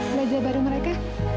belajar bareng mereka